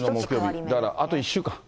だからあと１週間。